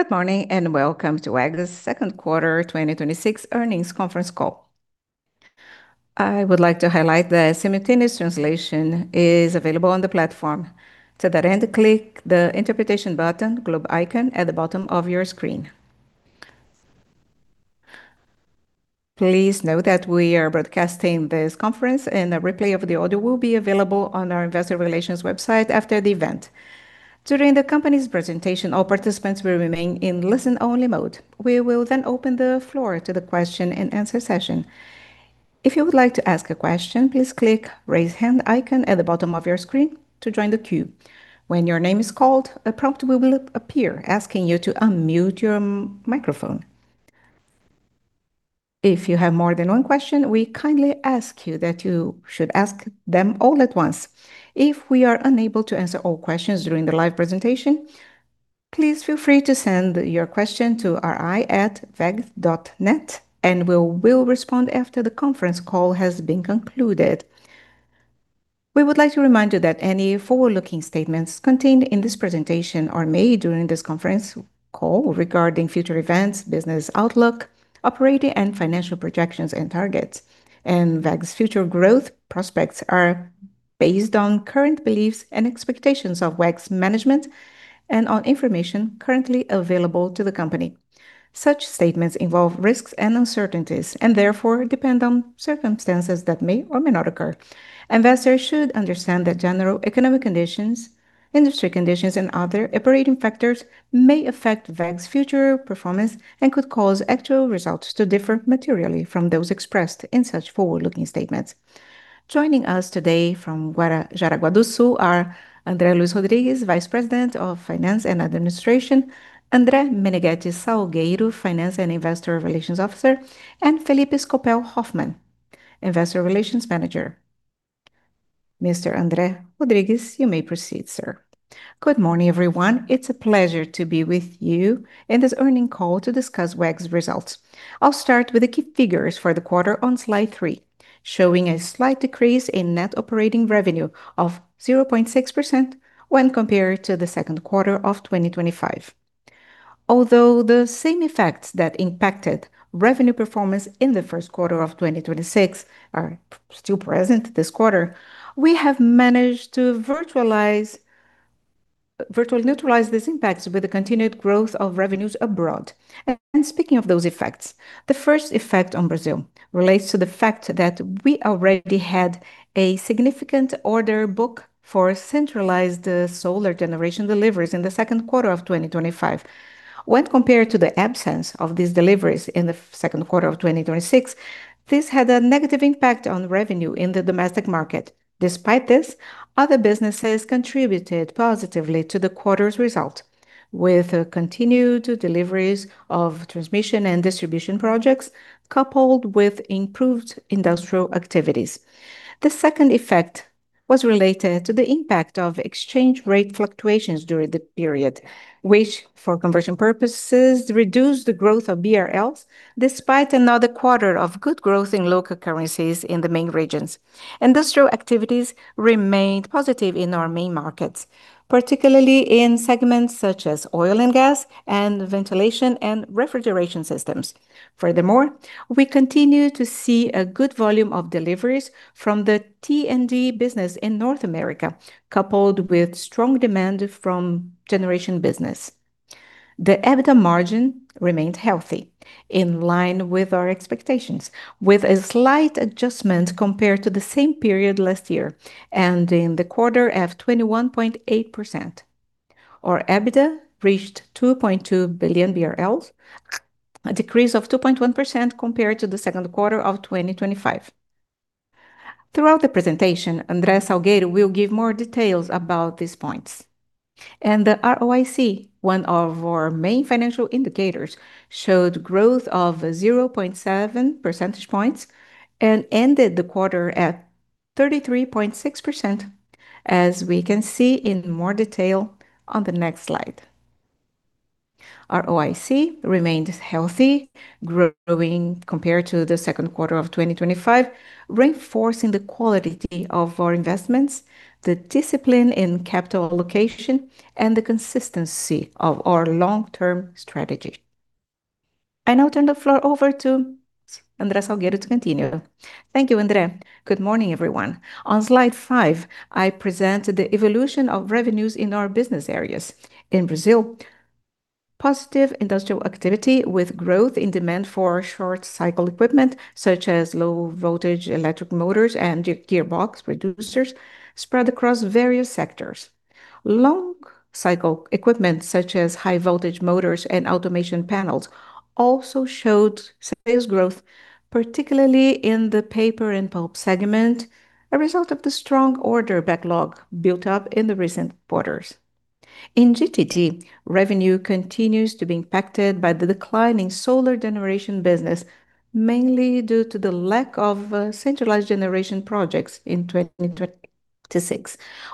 Good morning, and welcome to WEG's second quarter 2026 earnings conference call. I would like to highlight that simultaneous translation is available on the platform. To that end, click the interpretation button, globe icon at the bottom of your screen. Please note that we are broadcasting this conference, and a replay of the audio will be available on our investor relations website after the event. During the company's presentation, all participants will remain in listen-only mode. We will then open the floor to the question and answer session. If you would like to ask a question, please click raise hand icon at the bottom of your screen to join the queue. When your name is called, a prompt will appear asking you to unmute your microphone. If you have more than one question, we kindly ask you that you should ask them all at once. If we are unable to answer all questions during the live presentation, please feel free to send your question to ri@weg.net and we will respond after the conference call has been concluded. We would like to remind you that any forward-looking statements contained in this presentation or made during this conference call regarding future events, business outlook, operating and financial projections and targets, and WEG's future growth prospects are based on current beliefs and expectations of WEG's management, and on information currently available to the company. Such statements involve risks and uncertainties, and therefore, depend on circumstances that may or may not occur. Investors should understand that general economic conditions, industry conditions, and other operating factors may affect WEG's future performance and could cause actual results to differ materially from those expressed in such forward-looking statements. Joining us today from Jaraguá do Sul are André Luís Rodrigues, Vice President of Finance and Administration, André Menegueti Salgueiro, Finance and Investor Relations Officer, and Felipe Scopel Hoffmann, Investor Relations Manager. Mr. André Rodrigues, you may proceed, sir. Good morning, everyone. It's a pleasure to be with you in this earning call to discuss WEG's results. I'll start with the key figures for the quarter on slide three, showing a slight decrease in net operating revenue of 0.6% when compared to the second quarter of 2025. Although the same effects that impacted revenue performance in the first quarter of 2026 are still present this quarter, we have managed to virtually neutralize these impacts with the continued growth of revenues abroad. Speaking of those effects, the first effect on Brazil relates to the fact that we already had a significant order book for centralized solar generation deliveries in the second quarter of 2025. When compared to the absence of these deliveries in the second quarter of 2026, this had a negative impact on revenue in the domestic market. Despite this, other businesses contributed positively to the quarter's result, with continued deliveries of transmission and distribution projects, coupled with improved industrial activities. The second effect was related to the impact of exchange rate fluctuations during the period, which for conversion purposes reduced the growth of BRL, despite another quarter of good growth in local currencies in the main regions. Industrial activities remained positive in our main markets, particularly in segments such as oil and gas and ventilation and refrigeration systems. Furthermore, we continue to see a good volume of deliveries from the T&D business in North America, coupled with strong demand from generation business. The EBITDA margin remained healthy in line with our expectations, with a slight adjustment compared to the same period last year, ending the quarter at 21.8%. Our EBITDA reached 2.2 billion BRL, a decrease of 2.1% compared to the second quarter of 2025. Throughout the presentation, André Salgueiro will give more details about these points. The ROIC, one of our main financial indicators, showed growth of 0.7 percentage points and ended the quarter at 33.6%, as we can see in more detail on the next slide. ROIC remained healthy, growing compared to the second quarter of 2025, reinforcing the quality of our investments, the discipline in capital allocation, and the consistency of our long-term strategy. I now turn the floor over to André Salgueiro to continue. Thank you, André. Good morning, everyone. On slide five, I present the evolution of revenues in our business areas. In Brazil, positive industrial activity with growth in demand for short-cycle equipment such as low voltage electric motors and gearbox reducers spread across various sectors. Long cycle equipment such as high voltage motors and automation panels also showed sales growth, particularly in the paper and pulp segment, a result of the strong order backlog built up in the recent quarters. In GTD, revenue continues to be impacted by the declining solar generation business, mainly due to the lack of centralized generation projects in 2026.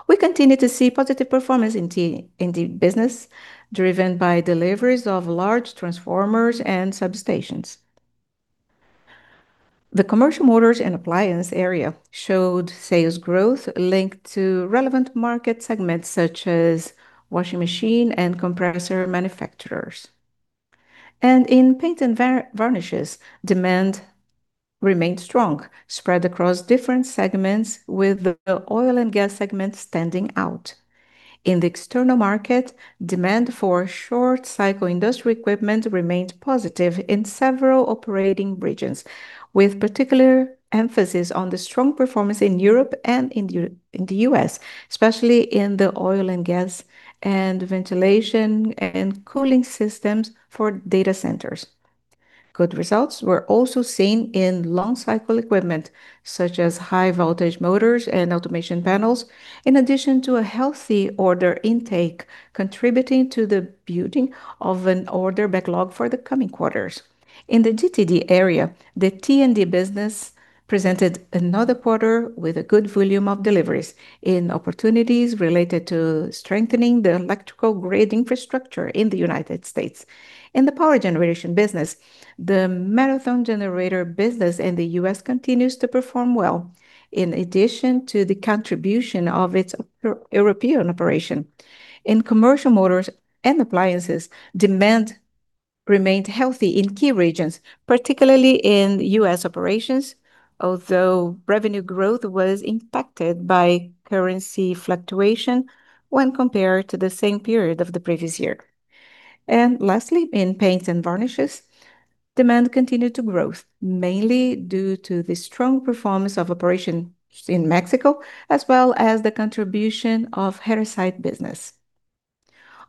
We continue to see positive performance in the business driven by deliveries of large transformers and substations. The commercial motors and appliance area showed sales growth linked to relevant market segments such as washing machine and compressor manufacturers. In paint and varnishes, demand remained strong, spread across different segments, with the oil and gas segment standing out. In the external market, demand for short cycle industrial equipment remained positive in several operating regions, with particular emphasis on the strong performance in Europe and in the U.S., especially in the oil and gas and ventilation and cooling systems for data centers. Good results were also seen in long cycle equipment, such as high voltage motors and automation panels, in addition to a healthy order intake contributing to the building of an order backlog for the coming quarters. In the T&D area, the T&D business presented another quarter with a good volume of deliveries in opportunities related to strengthening the electrical grid infrastructure in the United States. In the power generation business, the Marathon generator business in the U.S. continues to perform well, in addition to the contribution of its European operation. In commercial motors and appliances, demand remained healthy in key regions, particularly in U.S. operations, although revenue growth was impacted by currency fluctuation when compared to the same period of the previous year. Lastly, in paints and varnishes, demand continued to grow, mainly due to the strong performance of operations in Mexico, as well as the contribution of Heresite business.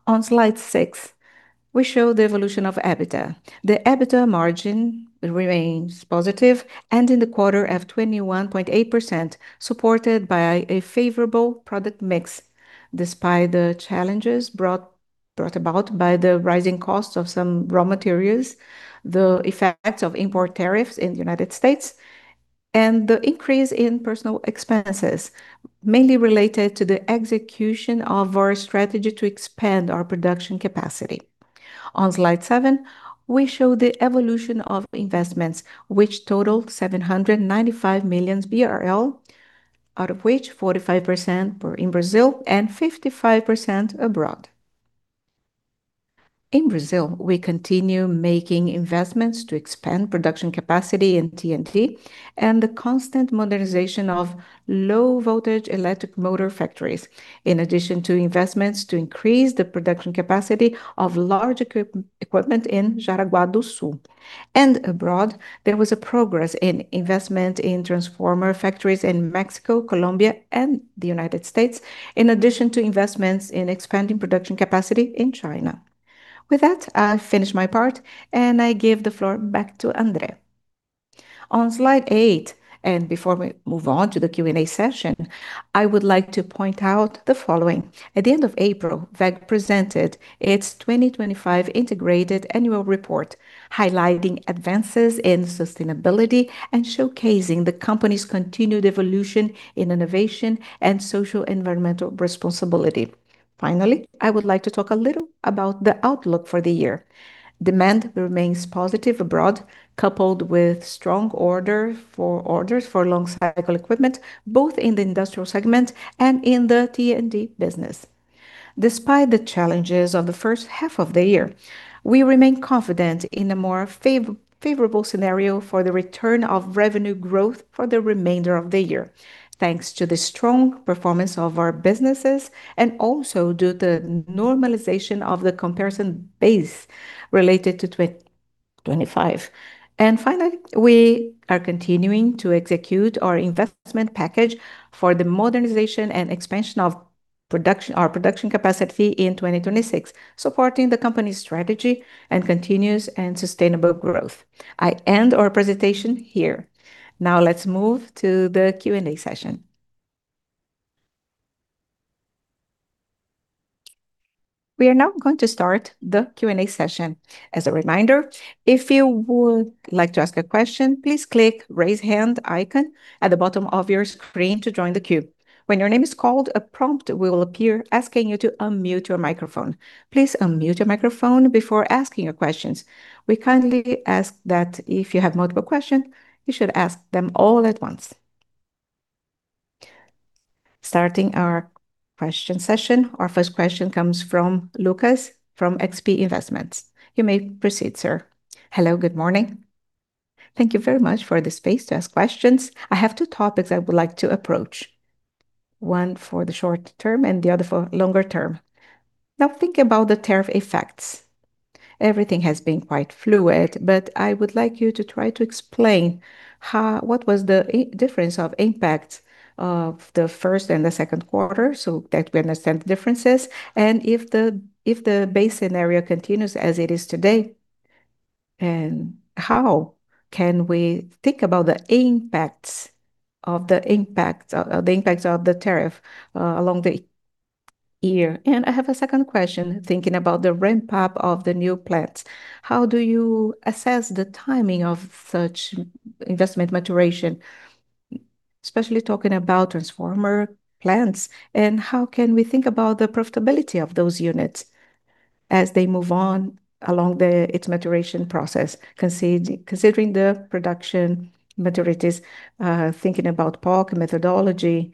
On slide six, we show the evolution of EBITDA. The EBITDA margin remains positive and in the quarter of 21.8%, supported by a favorable product mix, despite the challenges brought about by the rising cost of some raw materials, the effects of import tariffs in the U.S., and the increase in personal expenses, mainly related to the execution of our strategy to expand our production capacity. On slide seven, we show the evolution of investments, which totaled 795 million BRL, out of which 45% were in Brazil and 55% abroad. In Brazil, we continue making investments to expand production capacity in T&D and the constant modernization of low voltage electric motor factories, in addition to investments to increase the production capacity of large equipment in Jaraguá do Sul. Abroad, there was a progress in investment in transformer factories in Mexico, Colombia and the U.S., in addition to investments in expanding production capacity in China. With that, I finish my part, and I give the floor back to André. On slide eight, before we move on to the Q&A session, I would like to point out the following. At the end of April, WEG presented its 2025 integrated annual report, highlighting advances in sustainability and showcasing the company's continued evolution in innovation and social environmental responsibility. Finally, I would like to talk a little about the outlook for the year. Demand remains positive abroad, coupled with strong orders for long cycle equipment, both in the industrial segment and in the T&D business. Despite the challenges of the first half of the year, we remain confident in a more favorable scenario for the return of revenue growth for the remainder of the year, thanks to the strong performance of our businesses and also due to normalization of the comparison base related to 2025. Finally, we are continuing to execute our investment package for the modernization and expansion of our production capacity in 2026, supporting the company's strategy and continuous and sustainable growth. I end our presentation here. Now let's move to the Q&A session. We are now going to start the Q&A session. As a reminder, if you would like to ask a question, please click raise hand icon at the bottom of your screen to join the queue. When your name is called, a prompt will appear asking you to unmute your microphone. Please unmute your microphone before asking your questions. We kindly ask that if you have multiple questions, you should ask them all at once. Starting our question session, our first question comes from Lucas from XP Investments. You may proceed, sir. Hello. Good morning. Thank you very much for the space to ask questions. I have two topics I would like to approach, one for the short term and the other for longer term. Thinking about the tariff effects, everything has been quite fluid, but I would like you to try to explain what was the difference of impacts of the first and the second quarter, so that we understand the differences. If the base scenario continues as it is today, how can we think about the impacts of the tariff along the year? I have a second question, thinking about the ramp-up of the new plants. How do you assess the timing of such investment maturation? Especially talking about transformer plants, and how can we think about the profitability of those units as they move on along its maturation process, considering the production maturities, thinking about POC methodology.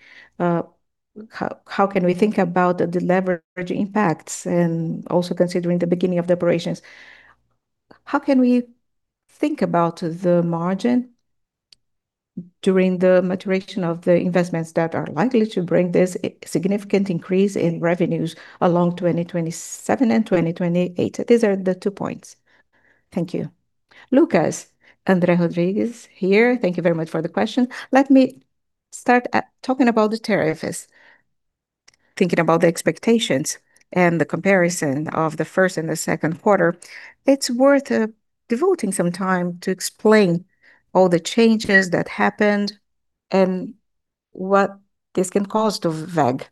How can we think about the leverage impacts and also considering the beginning of the operations? How can we think about the margin during the maturation of the investments that are likely to bring this significant increase in revenues along 2027 and 2028? These are the two points. Thank you. Lucas, André Rodrigues here. Thank you very much for the question. Let me start talking about the tariffs. Thinking about the expectations and the comparison of the first and the second quarter, it's worth devoting some time to explain all the changes that happened and what this can cause to WEG.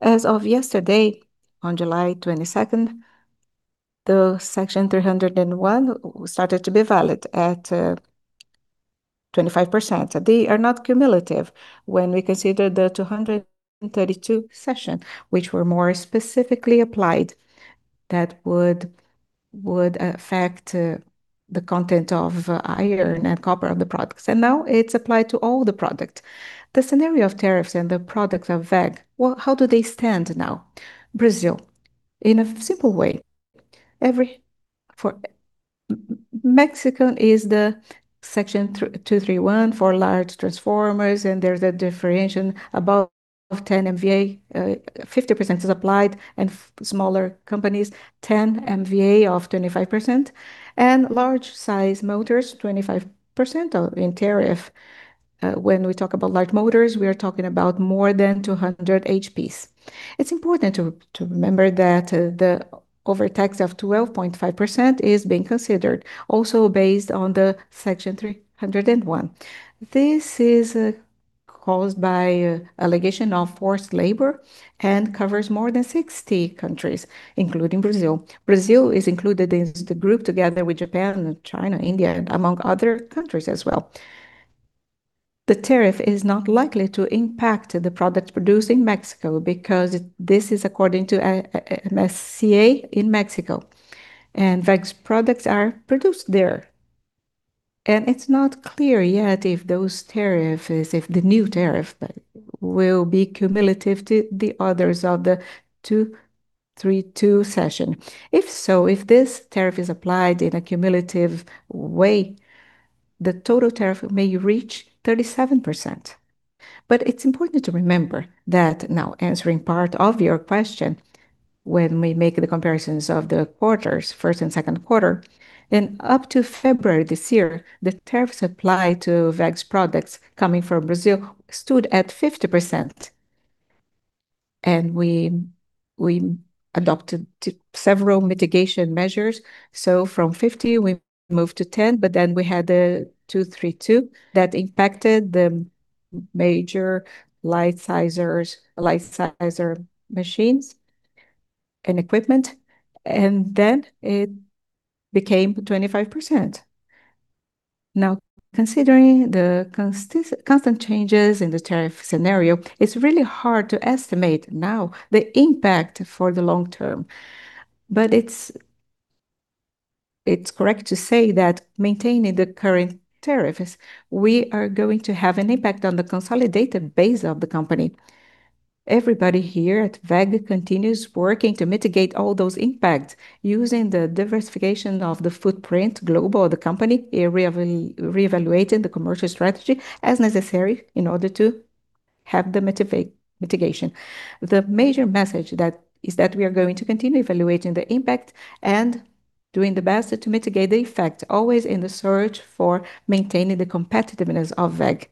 As of yesterday, on July 22nd, Section 301 started to be valid at 25%. They are not cumulative. When we consider Section 232, which were more specifically applied, that would affect the content of iron and copper of the products. Now it's applied to all the product. The scenario of tariffs and the products of WEG, how do they stand now? Brazil, in a simple way. For Mexico is Section 232 for large transformers, and there's a differentiation above 10 MVA, 50% is applied, and smaller companies, 10 MVA of 25%, and large-size motors, 25% in tariff. When we talk about large motors, we are talking about more than 200 HPs. It's important to remember that the overtax of 12.5% is being considered, also based on Section 301. This is caused by allegation of forced labor and covers more than 60 countries, including Brazil. Brazil is included in the group together with Japan, China, India, among other countries as well. The tariff is not likely to impact the products produced in Mexico because this is according to USMCA in Mexico, and WEG's products are produced there. It's not clear yet if the new tariff will be cumulative to the others of Section 232. If so, if this tariff is applied in a cumulative way, the total tariff may reach 37%. It's important to remember that now answering part of your question, when we make the comparisons of the quarters, first and second quarter, up to February this year, the tariffs applied to WEG's products coming from Brazil stood at 50%. We adopted several mitigation measures. From 50%, we moved to 10%, but we had Section 232 that impacted the major large-size machines and equipment, and it became 25%. Considering the constant changes in the tariff scenario, it's really hard to estimate now the impact for the long term. It's correct to say that maintaining the current tariffs, we are going to have an impact on the consolidated base of the company. Everybody here at WEG continues working to mitigate all those impacts using the diversification of the footprint global of the company, reevaluating the commercial strategy as necessary in order to have the mitigation. The major message is that we are going to continue evaluating the impact and doing the best to mitigate the effect, always in the search for maintaining the competitiveness of WEG.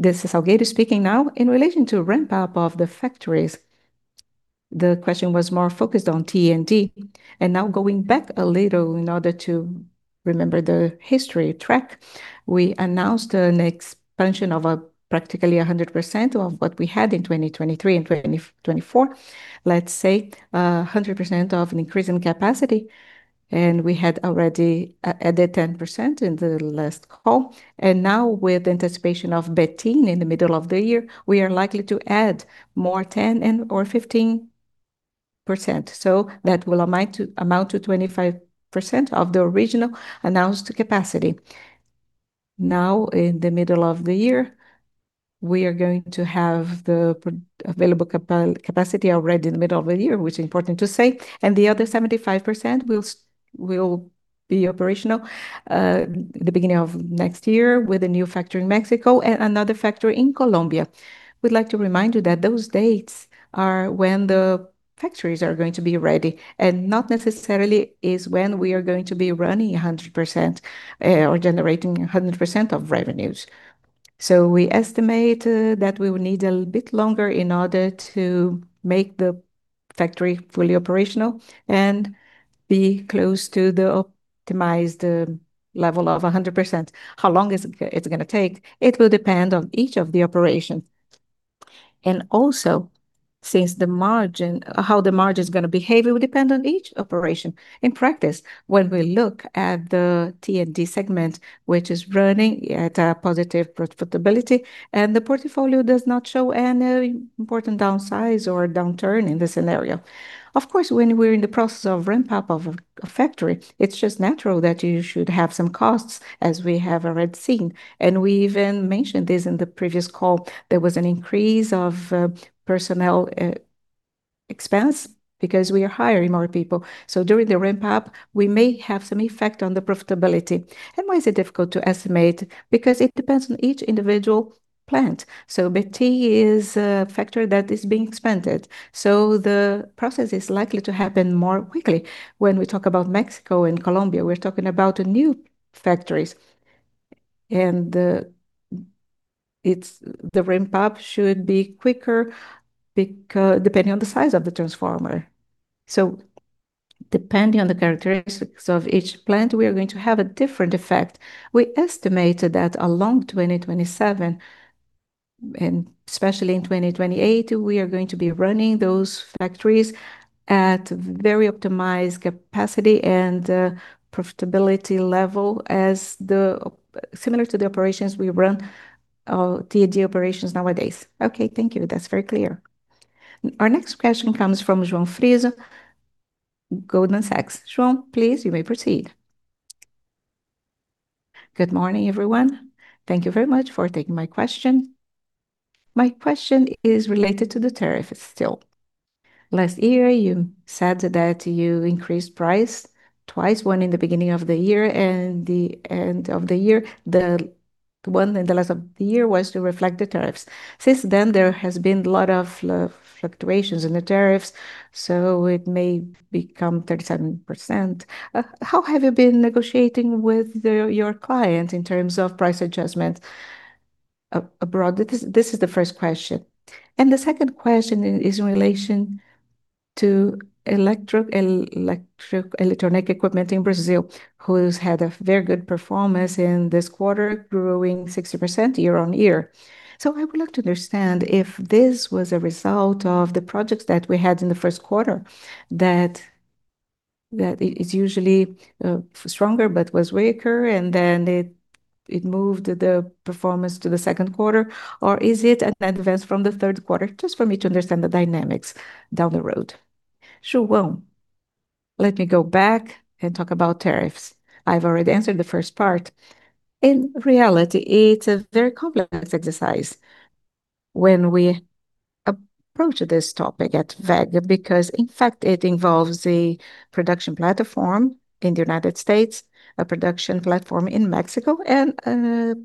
This is Salgueiro speaking now. In relation to ramp-up of the factories, the question was more focused on T&D. Now going back a little in order to remember the history track, we announced an expansion of practically 100% of what we had in 2023 and 2024. Let's say 100% of an increase in capacity, we had already added 10% in the last call. Now with anticipation of Betim in the middle of the year, we are likely to add more 10% and/or 15%. That will amount to 25% of the original announced capacity. In the middle of the year, we are going to have the available capacity already in the middle of the year, which is important to say, and the other 75% will be operational the beginning of next year with a new factory in Mexico and another factory in Colombia. We'd like to remind you that those dates are when the factories are going to be ready, and not necessarily is when we are going to be running 100% or generating 100% of revenues. We estimate that we will need a bit longer in order to make the factory fully operational and be close to the optimized level of 100%. How long is it going to take? It will depend on each of the operations. Also, how the margin is going to behave will depend on each operation. In practice, when we look at the T&D segment, which is running at a positive profitability, and the portfolio does not show any important downsides or downturn in the scenario. Of course, when we're in the process of ramp-up of a factory, it's just natural that you should have some costs, as we have already seen. We even mentioned this in the previous call. There was an increase of personnel expense because we are hiring more people. During the ramp-up, we may have some effect on the profitability. Why is it difficult to estimate? Because it depends on each individual plant. Betim is a factory that is being expanded, so the process is likely to happen more quickly. When we talk about Mexico and Colombia, we're talking about new factories, and the ramp-up should be quicker depending on the size of the transformer. Depending on the characteristics of each plant, we are going to have a different effect. We estimated that along 2027, and especially in 2028, we are going to be running those factories at very optimized capacity and profitability level similar to the T&D operations we run nowadays. Okay. Thank you. That's very clear. Our next question comes from João Frizo, Goldman Sachs. João, please, you may proceed. Good morning, everyone. Thank you very much for taking my question. My question is related to the tariff still. Last year, you said that you increased price twice, once in the beginning of the year and the end of the year. The one in the last of the year was to reflect the tariffs. Since then, there has been a lot of fluctuations in the tariffs, it may become 37%. How have you been negotiating with your clients in terms of price adjustments abroad? This is the first question. The second question is in relation to electronic equipment in Brazil, who's had a very good performance in this quarter, growing 60% year-on-year. I would like to understand if this was a result of the projects that we had in the first quarter that is usually stronger but was weaker, then it moved the performance to the second quarter. Is it an advance from the third quarter? Just for me to understand the dynamics down the road. Sure, João. Let me go back and talk about tariffs. I've already answered the first part. In reality, it's a very complex exercise when we approach this topic at WEG because, in fact, it involves the production platform in the U.S., a production platform in Mexico, and a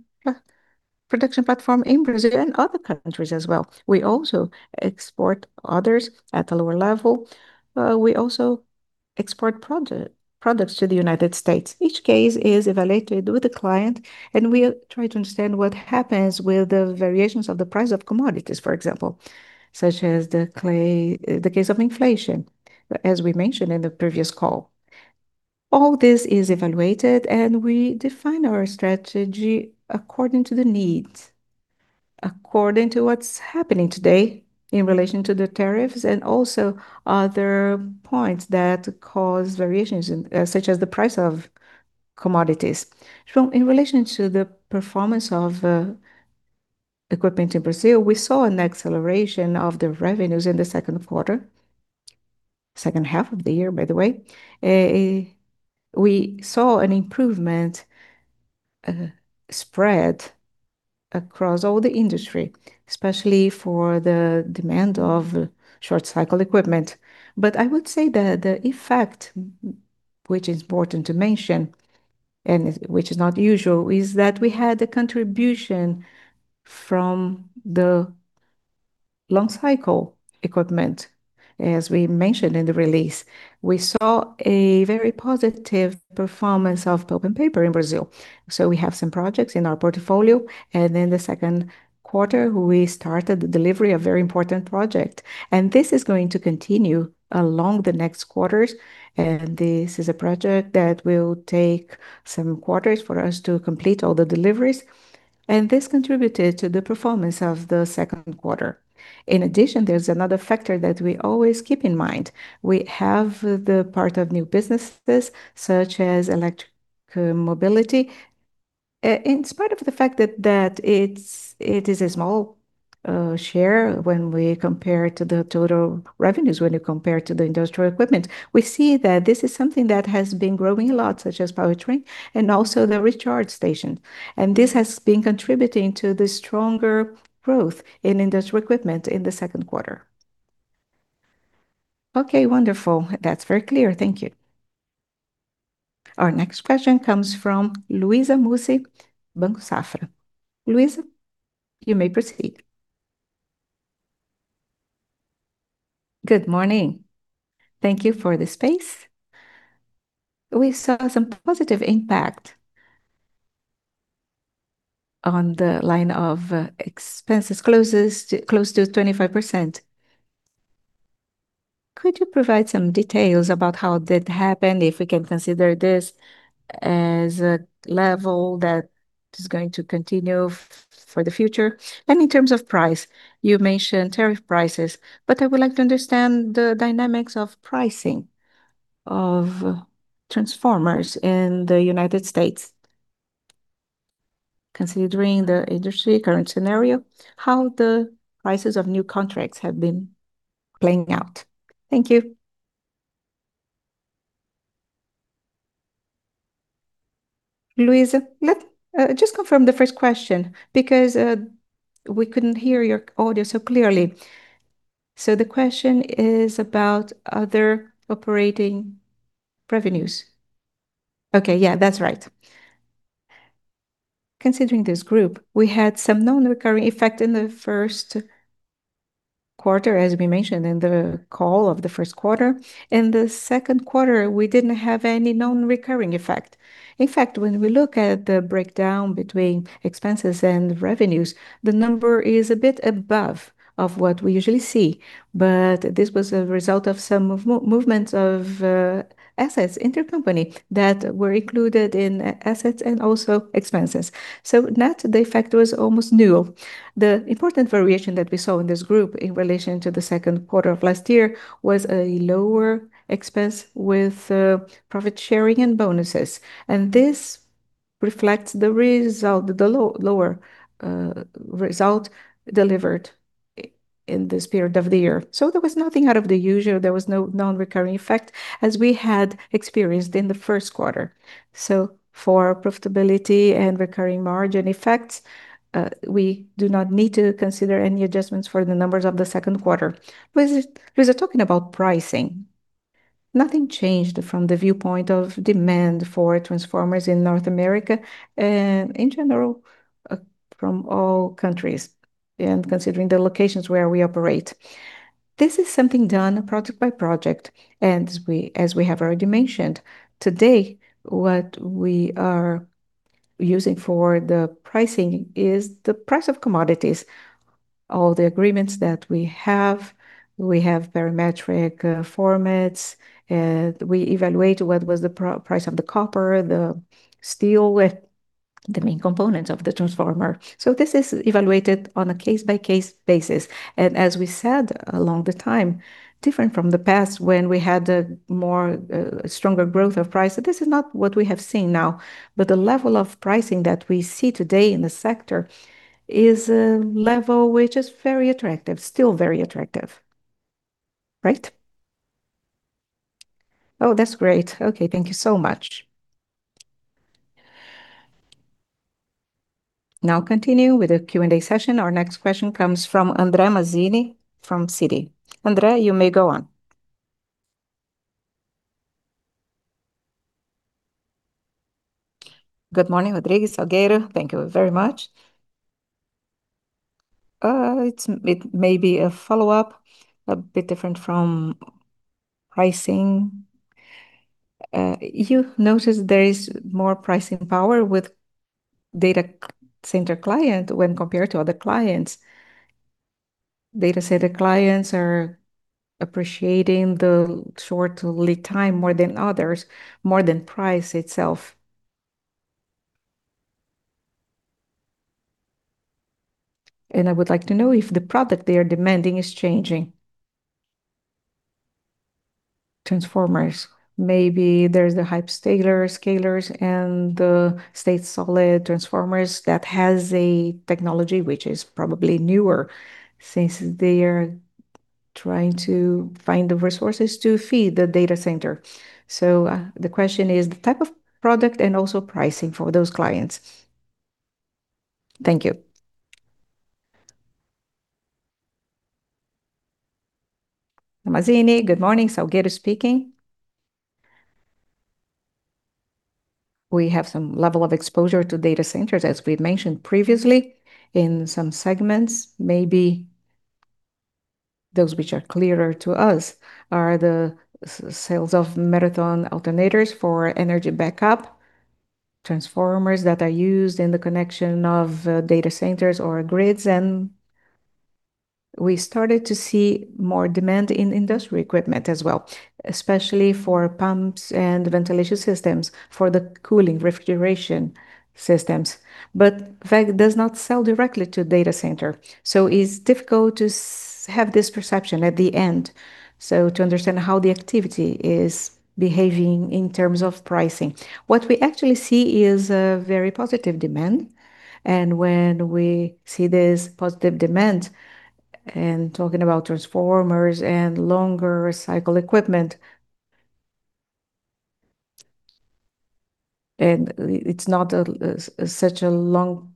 production platform in Brazil and other countries as well. We also export others at a lower level. We also export products to the U.S. Each case is evaluated with the client, and we try to understand what happens with the variations of the price of commodities, for example, such as the case of inflation, as we mentioned in the previous call. All this is evaluated, we define our strategy according to the needs, according to what's happening today in relation to the tariffs and also other points that cause variations, such as the price of commodities. João, in relation to the performance of equipment in Brazil, we saw an acceleration of the revenues in the second quarter. Second half of the year, by the way. We saw an improvement spread across all the industry, especially for the demand of short-cycle equipment. I would say the effect, which is important to mention and which is not usual, is that we had a contribution from the long-cycle equipment, as we mentioned in the release. We saw a very positive performance of pulp and paper in Brazil. We have some projects in our portfolio. In the second quarter, we started the delivery of very important project, and this is going to continue along the next quarters. This is a project that will take seven quarters for us to complete all the deliveries, and this contributed to the performance of the second quarter. In addition, there's another factor that we always keep in mind. We have the part of new businesses such as electric mobility. In spite of the fact that it is a small share when we compare it to the total revenues, when you compare to the industrial equipment, we see that this is something that has been growing a lot, such as powertrain and also the recharge station. This has been contributing to the stronger growth in industrial equipment in the second quarter. Okay, wonderful. That's very clear. Thank you. Our next question comes from Luiza Mussi, Banco Safra. Luiza, you may proceed. Good morning. Thank you for the space. We saw some positive impact on the line of expenses close to 25%. Could you provide some details about how that happened, if we can consider this as a level that is going to continue for the future? In terms of price, you mentioned tariff prices, but I would like to understand the dynamics of pricing of transformers in the U.S. Considering the industry current scenario, how the prices of new contracts have been playing out. Thank you. Luiza, let's just confirm the first question, because we couldn't hear your audio so clearly. The question is about other operating revenues. Okay. Yeah, that's right. Considering this group, we had some non-recurring effect in the first quarter, as we mentioned in the call of the first quarter. In the second quarter, we didn't have any non-recurring effect. In fact, when we look at the breakdown between expenses and revenues, the number is a bit above of what we usually see. This was a result of some movement of assets intercompany that were included in assets and also expenses. Net, the effect was almost new. The important variation that we saw in this group in relation to the second quarter of last year was a lower expense with profit sharing and bonuses, and this reflects the lower result delivered in this period of the year. There was nothing out of the usual. There was no non-recurring effect as we had experienced in the first quarter. For profitability and recurring margin effects, we do not need to consider any adjustments for the numbers of the second quarter. Luiza, talking about pricing, nothing changed from the viewpoint of demand for transformers in North America, and in general, from all countries, and considering the locations where we operate. This is something done project by project, and as we have already mentioned, today, what we are using for the pricing is the price of commodities. All the agreements that we have, we have parametric formats. We evaluate what was the price of the copper, the steel, the main components of the transformer. This is evaluated on a case-by-case basis. As we said along the time, different from the past when we had a stronger growth of price. This is not what we have seen now, but the level of pricing that we see today in the sector is a level which is very attractive. Still very attractive. Right? Oh, that's great. Okay, thank you so much. Now continue with the Q&A session. Our next question comes from André Mazini from Citi. André, you may go on. Good morning, Rodrigues, Salgueiro. Thank you very much. It may be a follow-up, a bit different from pricing. You notice there is more pricing power with data center client when compared to other clients. Data center clients are appreciating the short lead time more than others, more than price itself. I would like to know if the product they are demanding is changing. Transformers. Maybe there's the hyperscalers and the solid-state transformers that has a technology which is probably newer, since they are trying to find the resources to feed the data center. The question is the type of product and also pricing for those clients. Thank you. Mazini, good morning. Salgueiro speaking. We have some level of exposure to data centers, as we mentioned previously. In some segments, maybe those which are clearer to us are the sales of Marathon alternators for energy backup, transformers that are used in the connection of data centers or grids, and we started to see more demand in industry equipment as well, especially for pumps and ventilation systems, for the cooling refrigeration systems. WEG does not sell directly to data center, so it's difficult to have this perception at the end, to understand how the activity is behaving in terms of pricing. What we actually see is a very positive demand, and when we see this positive demand, talking about transformers and longer cycle equipment, and it's not such a long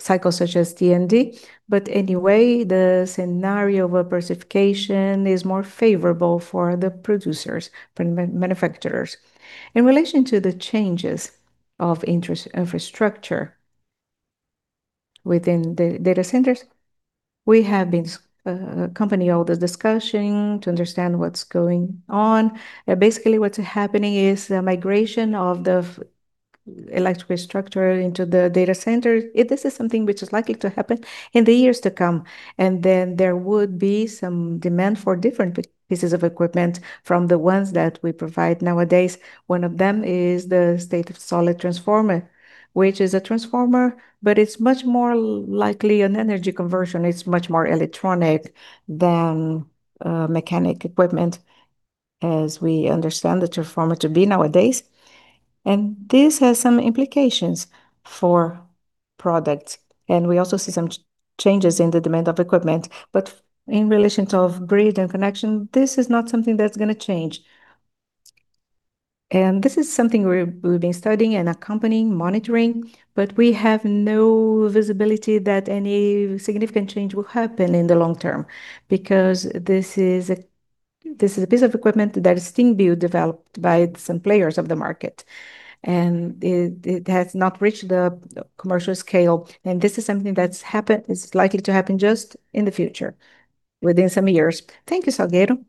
cycle such as T&D. Anyway, the scenario of a diversification is more favorable for the producers, for manufacturers. In relation to the changes of infrastructure within the data centers, we have been accompanying all the discussion to understand what's going on. Basically, what's happening is the migration of the electrical structure into the data center. This is something which is likely to happen in the years to come. Then there would be some demand for different pieces of equipment from the ones that we provide nowadays. One of them is the solid-state transformer, which is a transformer, but it's much more likely an energy conversion. It's much more electronic than mechanic equipment as we understand the transformer to be nowadays. This has some implications for products, and we also see some changes in the demand of equipment. In relation to grid and connection, this is not something that's going to change. This is something we've been studying and accompanying, monitoring, but we have no visibility that any significant change will happen in the long term, because this is a piece of equipment that is still being developed by some players of the market, and it has not reached the commercial scale. This is something that is likely to happen just in the future, within some years. Thank you, Salgueiro.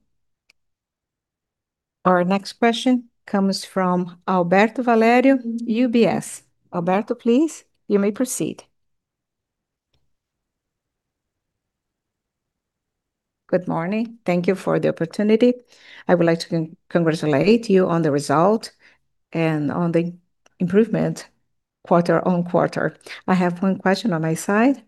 Our next question comes from Alberto Valerio, UBS. Alberto, please, you may proceed. Good morning. Thank you for the opportunity. I would like to congratulate you on the result and on the improvement quarter-over-quarter. I have one question on my side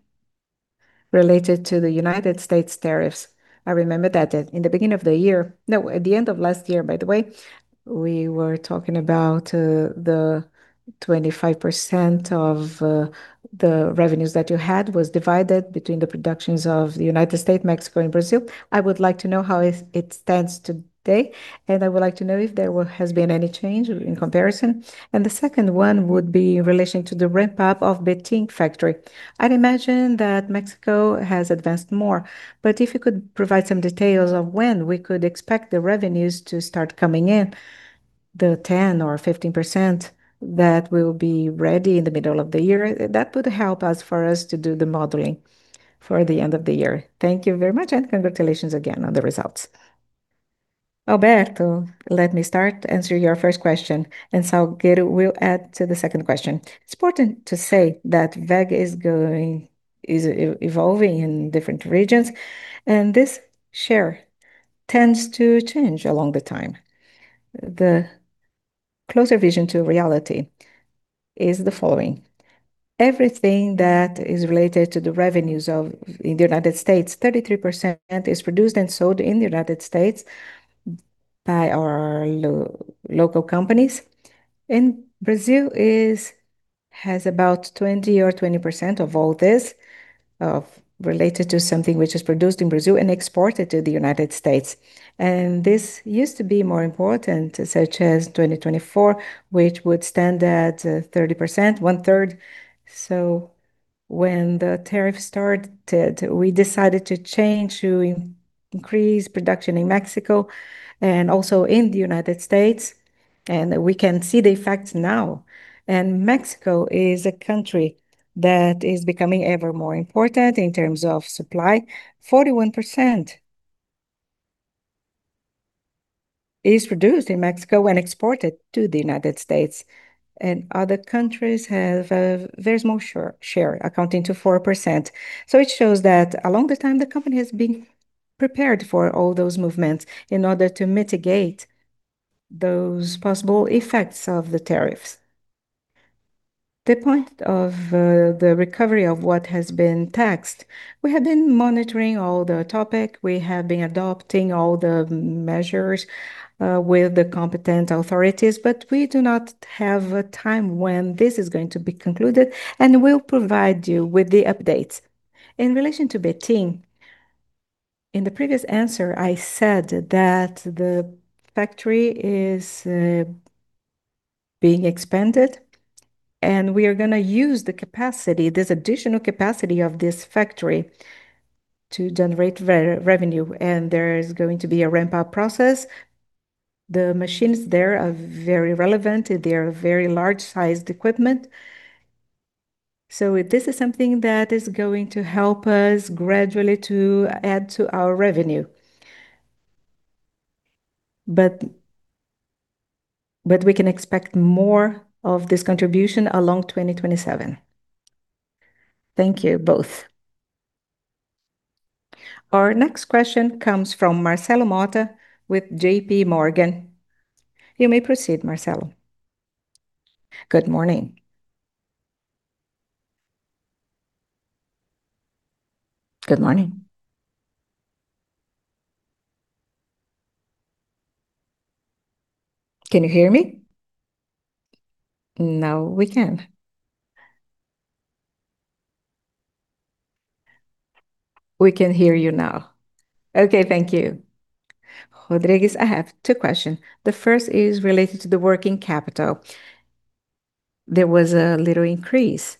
related to the U.S. tariffs. I remember that in the beginning of the year, at the end of last year, by the way, we were talking about the 25% of the revenues that you had was divided between the productions of the U.S., Mexico, and Brazil. I would like to know how it stands today, and I would like to know if there has been any change in comparison. The second one would be in relation to the ramp-up of Betim factory. I'd imagine that Mexico has advanced more, but if you could provide some details of when we could expect the revenues to start coming in, the 10% or 15% that will be ready in the middle of the year. That would help us for us to do the modeling for the end of the year. Thank you very much. Congratulations again on the results. Alberto, let me start to answer your first question, and Salgueiro will add to the second question. It's important to say that WEG is evolving in different regions, and this share tends to change along the time. The closer vision to reality is the following. Everything that is related to the revenues in the U.S., 33% is produced and sold in the U.S. by our local companies. Brazil has about 20% of all this, related to something which is produced in Brazil and exported to the U.S. This used to be more important, such as 2024, which would stand at 30%, one third. When the tariff started, we decided to change to increase production in Mexico and also in the U.S., and we can see the effects now. Mexico is a country that is becoming ever more important in terms of supply. 41% is produced in Mexico and exported to the United States. Other countries There's more share, accounting to 4%. It shows that along the time, the company has been prepared for all those movements in order to mitigate those possible effects of the tariffs. The point of the recovery of what has been taxed, we have been monitoring all the topic. We have been adopting all the measures with the competent authorities, but we do not have a time when this is going to be concluded, and we'll provide you with the updates. In relation to Betim, in the previous answer, I said that the factory is being expanded, and we are going to use the capacity, this additional capacity of this factory to generate revenue, and there is going to be a ramp-up process. The machines there are very relevant. They are very large-sized equipment. This is something that is going to help us gradually to add to our revenue. We can expect more of this contribution along 2027. Thank you both. Our next question comes from Marcelo Motta with JPMorgan. You may proceed, Marcelo. Good morning. Good morning. Can you hear me? Now we can. We can hear you now. Okay. Thank you. Rodrigues, I have two question. The first is related to the working capital. There was a little increase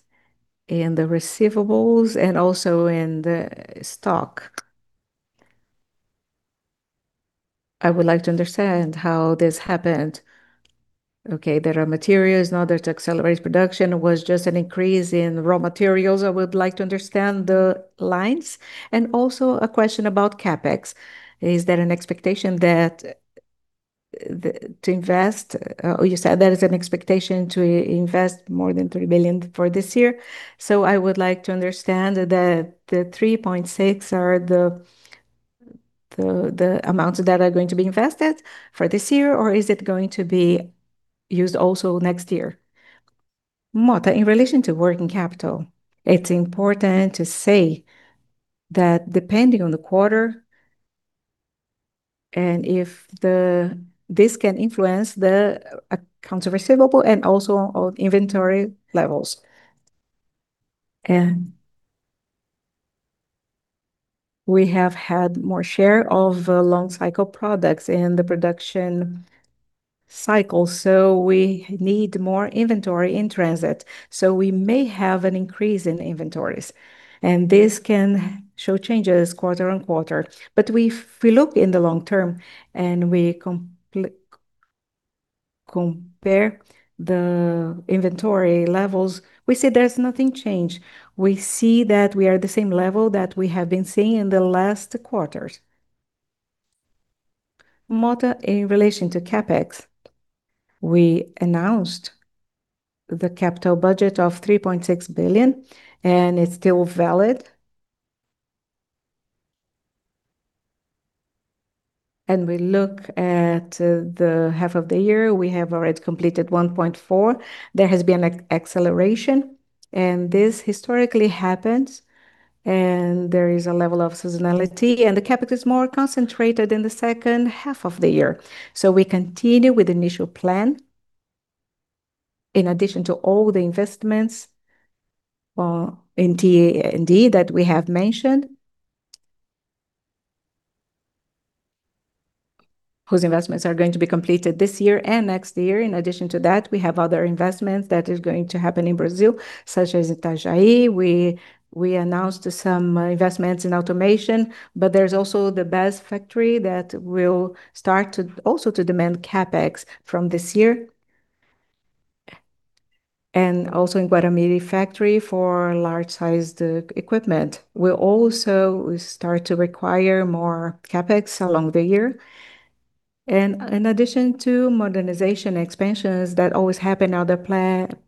in the receivables and also in the stock. I would like to understand how this happened. Okay, there are materials now there to accelerate production. Was it just an increase in raw materials? I would like to understand the lines. A question about CapEx. Is there an expectation To invest, you said there is an expectation to invest more than 3 billion for this year. I would like to understand, the 3.6 billion are the amounts that are going to be invested for this year, or is it going to be used also next year? Motta, in relation to working capital, it's important to say that depending on the quarter, and if this can influence the accounts receivable and also our inventory levels. We have had more share of long cycle products in the production cycle, so we need more inventory in transit. We may have an increase in inventories, and this can show changes quarter-on-quarter. If we look in the long term, and we compare the inventory levels, we see there's nothing change. We see that we are at the same level that we have been seeing in the last quarters. Motta, in relation to CapEx, we announced the capital budget of 3.6 billion, and it's still valid. We look at the half of the year, we have already completed 1.4 billion. There has been an acceleration, and this historically happens, and there is a level of seasonality, and the CapEx is more concentrated in the second half of the year. We continue with the initial plan. In addition to all the investments in T&D that we have mentioned, whose investments are going to be completed this year and next year. In addition to that, we have other investments that is going to happen in Brazil, such as Itajaí. We announced some investments in automation, but there's also the BESS factory that will start to also demand CapEx from this year. Also in Guaramirim factory for large-sized equipment. We will also start to require more CapEx along the year. In addition to modernization expansions that always happen at the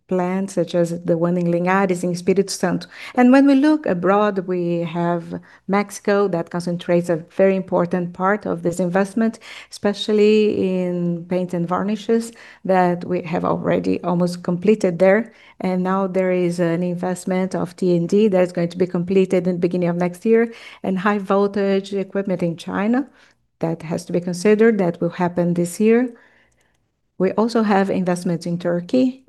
plants, such as the one in Linhares. This is in Espírito Santo. When we look abroad, we have Mexico that concentrates a very important part of this investment, especially in paints and varnishes that we have already almost completed there. Now there is an investment of T&D that is going to be completed in the beginning of next year, and high voltage equipment in China that has to be considered that will happen this year. We also have investments in Turkey,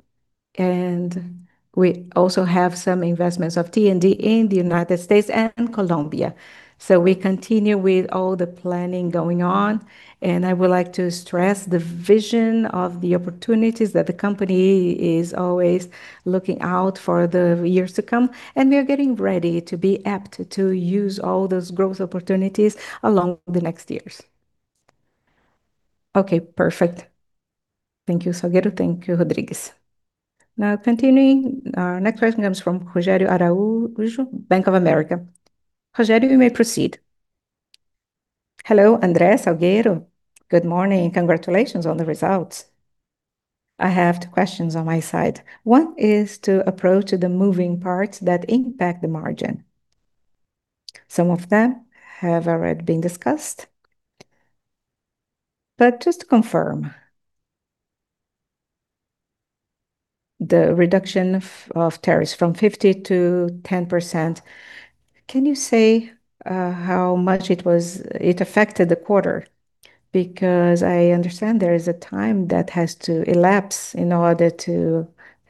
and we also have some investments of T&D in the U.S. and Colombia. We continue with all the planning going on, and I would like to stress the vision of the opportunities that the company is always looking out for the years to come. We are getting ready to be apt to use all those growth opportunities along the next years. Okay, perfect. Thank you, Salgueiro. Thank you, Rodrigues. Now continuing. Our next question comes from Rogério Araújo, Bank of America. Rogério, you may proceed. Hello, André, Salgueiro. Good morning. Congratulations on the results. I have two questions on my side. One is to approach the moving parts that impact the margin. Some of them have already been discussed. Just to confirm, the reduction of tariffs from 50% to 10%, can you say how much it affected the quarter? Because I understand there is a time that has to elapse in order to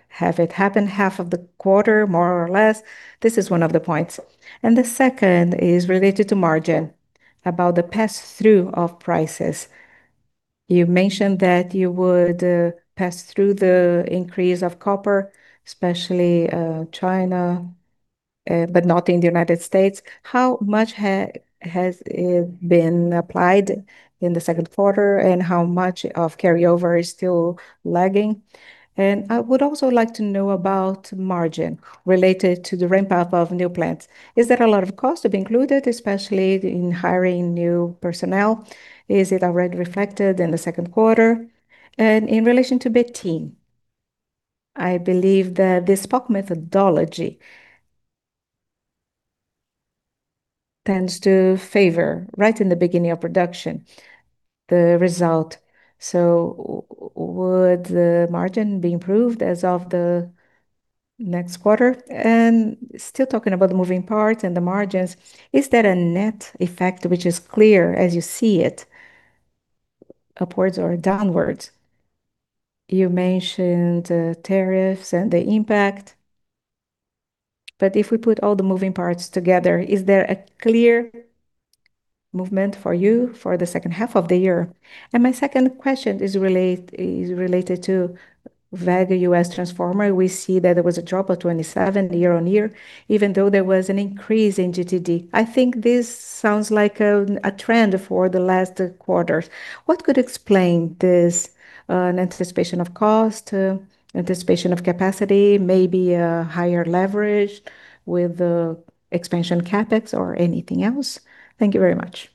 have it happen half of the quarter, more or less. This is one of the points. The second is related to margin, about the pass-through of prices. You mentioned that you would pass through the increase of copper, especially China, but not in the U.S. How much has it been applied in the second quarter, and how much of carryover is still lagging? I would also like to know about margin related to the ramp-up of new plants. Is there a lot of cost to be included, especially in hiring new personnel? Is it already reflected in the second quarter? In relation to Betim, I believe that the POC methodology tends to favor, right in the beginning of production, the result. Would the margin be improved as of the next quarter? Still talking about the moving parts and the margins, is there a net effect which is clear as you see it, upwards or downwards? You mentioned the tariffs and the impact, if we put all the moving parts together, is there a clear movement for you for the second half of the year? My second question is related to WEG Transformers USA. We see that there was a drop of 27% year-over-year, even though there was an increase in GTD. I think this sounds like a trend for the last quarters. What could explain this anticipation of cost, anticipation of capacity, maybe a higher leverage with the expansion CapEx or anything else? Thank you very much.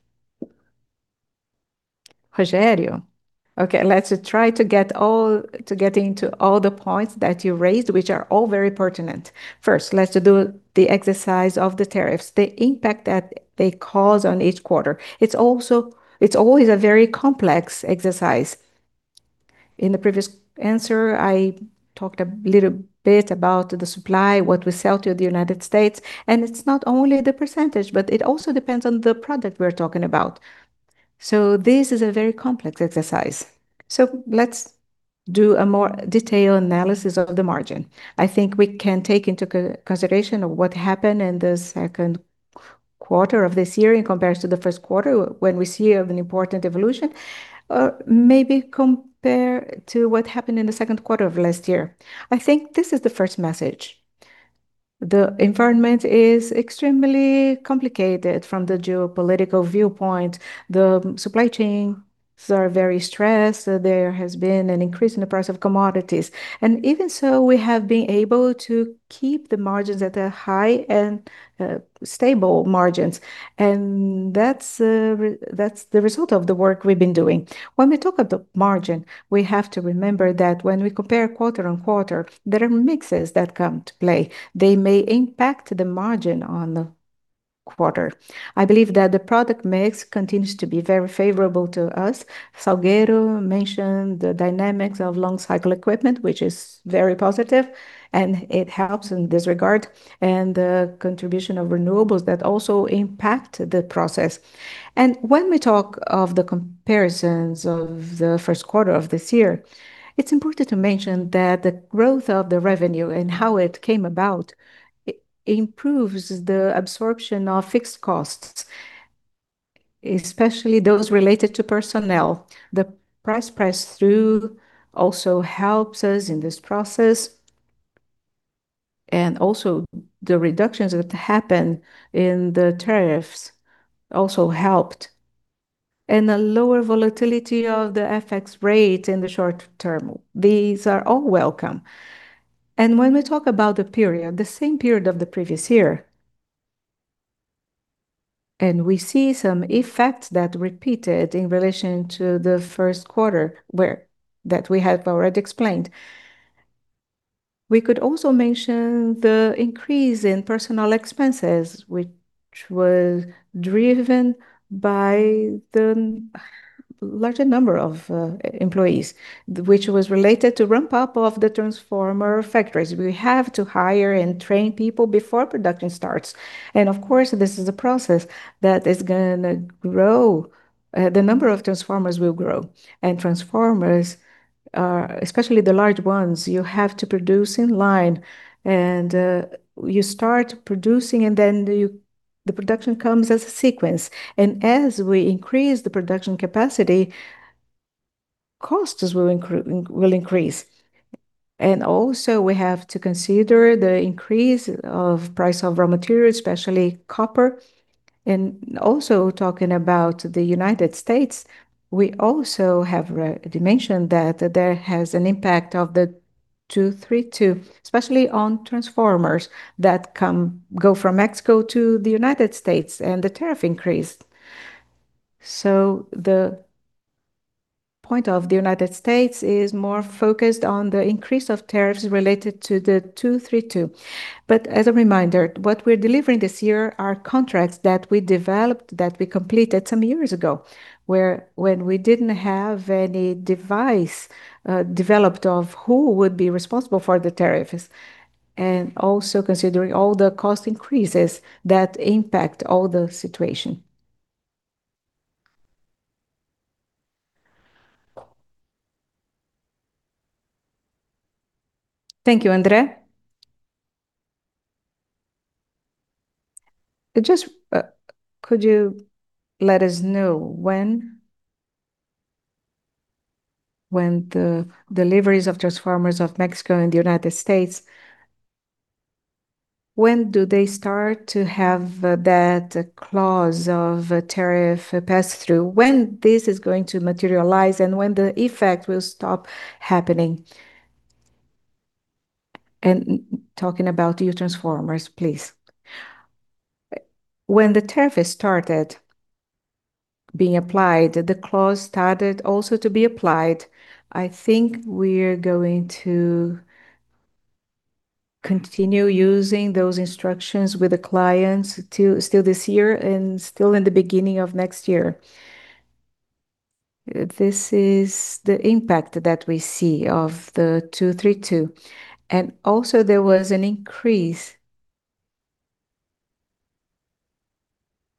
Rogério. Okay, let's try to get into all the points that you raised, which are all very pertinent. First, let's do the exercise of the tariffs, the impact that they cause on each quarter. It's always a very complex exercise. In the previous answer, I talked a little bit about the supply, what we sell to the U.S., and it's not only the percentage, but it also depends on the product we're talking about. This is a very complex exercise. Let's do a more detailed analysis of the margin. I think we can take into consideration what happened in the second quarter of this year in comparison to the first quarter, when we see an important evolution, maybe compare to what happened in the second quarter of last year. I think this is the first message. The environment is extremely complicated from the geopolitical viewpoint. The supply chains are very stressed. There has been an increase in the price of commodities, even so, we have been able to keep the margins at a high and stable margins, that's the result of the work we've been doing. When we talk of the margin, we have to remember that when we compare quarter on quarter, there are mixes that come to play. They may impact the margin on the quarter. I believe that the product mix continues to be very favorable to us. Salgueiro mentioned the dynamics of long cycle equipment, which is very positive, it helps in this regard, the contribution of renewables that also impact the process. When we talk of the comparisons of the first quarter of this year, it's important to mention that the growth of the revenue and how it came about improves the absorption of fixed costs, especially those related to personnel. The price pass-through also helps us in this process, also the reductions that happen in the tariffs also helped. A lower volatility of the FX rate in the short term. These are all welcome. When we talk about the period, the same period of the previous year, we see some effects that repeated in relation to the first quarter that we have already explained. We could also mention the increase in personal expenses, which was driven by the larger number of employees, which was related to ramp-up of the transformer factories. We have to hire and train people before production starts. Of course, this is a process that is going to grow. The number of transformers will grow. Transformers, especially the large ones, you have to produce in line and you start producing and then the production comes as a sequence. As we increase the production capacity, costs will increase. Also we have to consider the increase of price of raw materials, especially copper. Also talking about the U.S., we also have mentioned that there has an impact of the Section 232, especially on transformers that go from Mexico to the U.S. and the tariff increase. The point of the U.S. is more focused on the increase of tariffs related to the Section 232. As a reminder, what we're delivering this year are contracts that we developed, that we completed some years ago, when we didn't have any device developed of who would be responsible for the tariffs, also considering all the cost increases that impact all the situation. Thank you, André. Just could you let us know when the deliveries of transformers of Mexico and the U.S., when do they start to have that clause of tariff pass-through, when this is going to materialize, and when the effect will stop happening? Talking about your transformers, please. When the tariff started being applied, the clause started also to be applied. I think we are going to continue using those instructions with the clients still this year and still in the beginning of next year. This is the impact that we see of the Section 232. Also there was an increase in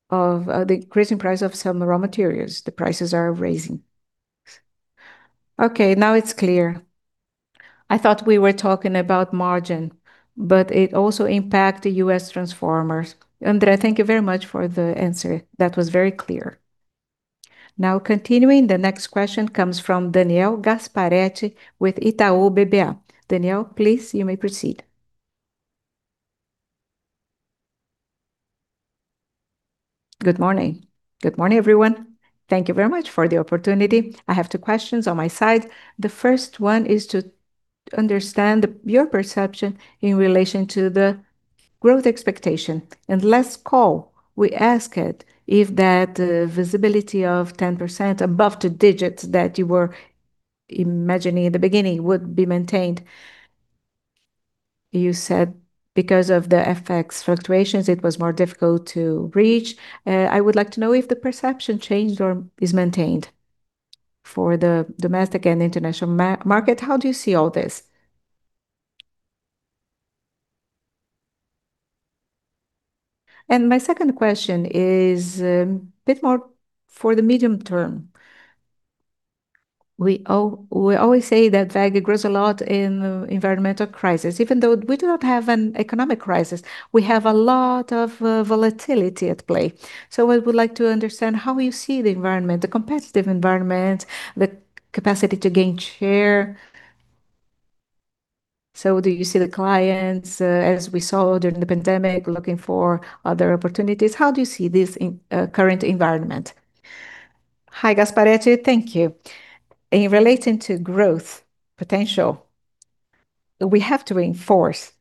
price of some raw materials. The prices are raising. Okay, now it is clear. I thought we were talking about margin, but it also impacts the U.S. transformers. André, thank you very much for the answer. That was very clear. Continuing, the next question comes from Daniel Gasparete with Itaú BBA. Daniel, please, you may proceed. Good morning. Good morning, everyone. Thank you very much for the opportunity. I have two questions on my side. The first one is to understand your perception in relation to the growth expectation. In last call, we asked if that visibility of 10% above two digits that you were imagining in the beginning would be maintained. You said because of the FX fluctuations, it was more difficult to reach. I would like to know if the perception changed or is maintained for the domestic and international market. How do you see all this? My second question is a bit more for the medium term. We always say that WEG grows a lot in environmental crisis. Even though we do not have an economic crisis, we have a lot of volatility at play. I would like to understand how you see the environment, the competitive environment, the capacity to gain share. Do you see the clients, as we saw during the pandemic, looking for other opportunities? How do you see this current environment? Hi, Gasparete. Thank you. In relation to growth potential, we have to reinforce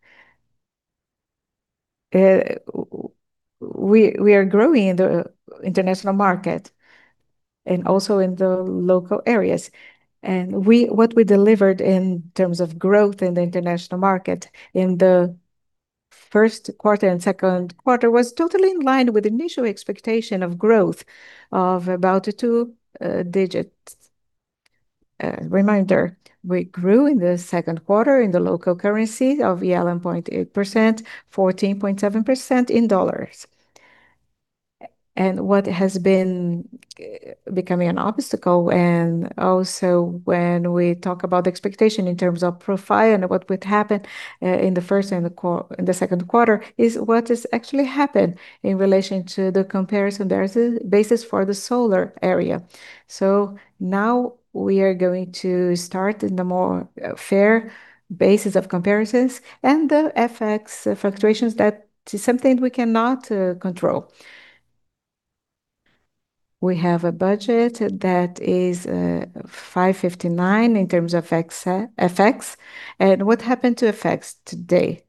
we are growing in the international market and also in the local areas. What we delivered in terms of growth in the international market in the first quarter and second quarter was totally in line with initial expectation of growth of about two digits. Reminder, we grew in the second quarter in the local currency of 11.8%, 14.7% in dollars. What has been becoming an obstacle and also when we talk about expectation in terms of profile and what would happen in the first and second quarter is what has actually happened in relation to the comparison. There is a basis for the solar area. Now we are going to start in the more fair basis of comparisons and the FX fluctuations, that is something we cannot control. We have a budget that is 5.59 in terms of FX. What happened to FX today?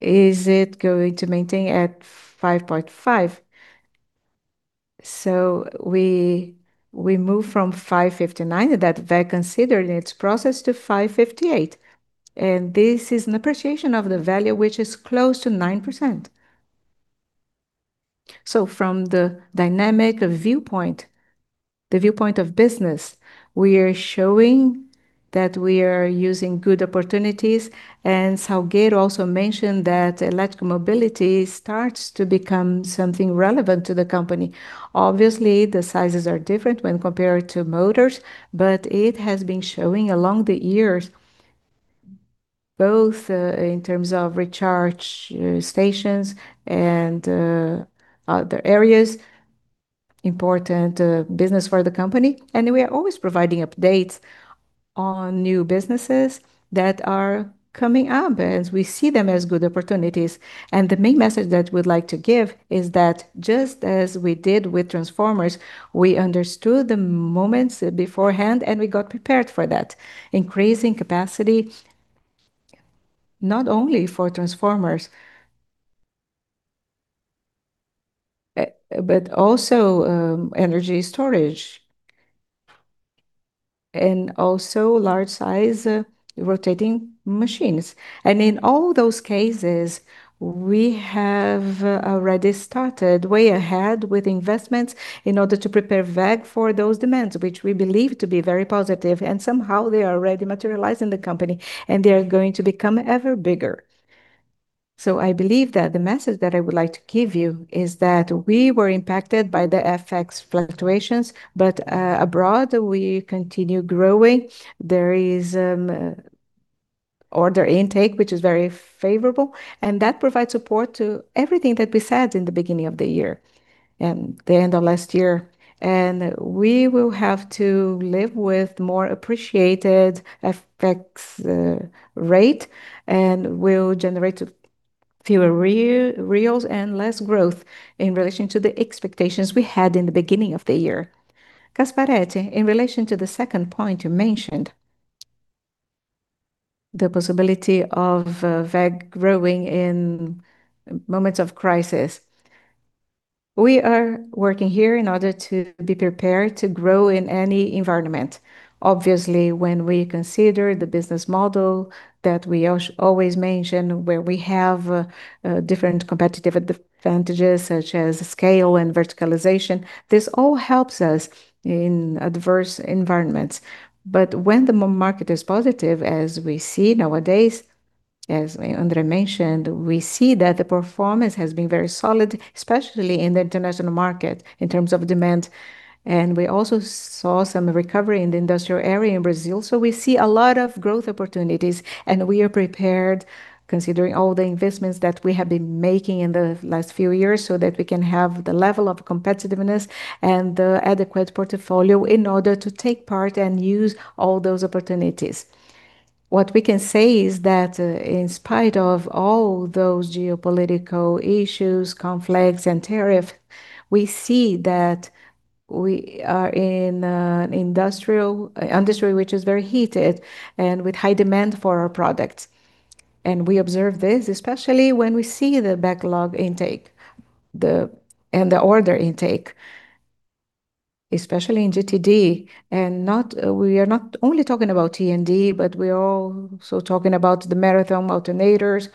Is it going to maintain at 5.5? We move from 5.59 that WEG considered in its process to 5.58. This is an appreciation of the value which is close to 9%. From the dynamic viewpoint, the viewpoint of business, we are showing that we are using good opportunities. Salgueiro also mentioned that electric mobility starts to become something relevant to the company. Obviously, the sizes are different when compared to motors, but it has been showing along the years, both in terms of recharge stations and other areas, important business for the company. We are always providing updates on new businesses that are coming up as we see them as good opportunities. The main message that we'd like to give is that just as we did with transformers, we understood the moments beforehand, and we got prepared for that, increasing capacity, not only for transformers, but also energy storage and also large size rotating machines. In all those cases, we have already started way ahead with investments in order to prepare WEG for those demands, which we believe to be very positive. Somehow they already materialize in the company, and they are going to become ever bigger. I believe that the message that I would like to give you is that we were impacted by the FX fluctuations, but abroad, we continue growing. There is order intake, which is very favorable, and that provides support to everything that we said in the beginning of the year and the end of last year. We will have to live with more appreciated FX rate and will generate fewer BRL and less growth in relation to the expectations we had in the beginning of the year. Gasparete, in relation to the second point you mentioned, the possibility of WEG growing in moments of crisis. We are working here in order to be prepared to grow in any environment. Obviously, when we consider the business model that we always mention, where we have different competitive advantages, such as scale and verticalization, this all helps us in adverse environments. When the market is positive, as we see nowadays, as André mentioned, we see that the performance has been very solid, especially in the international market in terms of demand. We also saw some recovery in the industrial area in Brazil. We see a lot of growth opportunities, and we are prepared considering all the investments that we have been making in the last few years, so that we can have the level of competitiveness and the adequate portfolio in order to take part and use all those opportunities. What we can say is that in spite of all those geopolitical issues, conflicts, and tariff, we see that we are in an industry which is very heated and with high demand for our products. We observe this especially when we see the backlog intake and the order intake, especially in GTD. We are not only talking about T&D, but we're also talking about the Marathon alternators,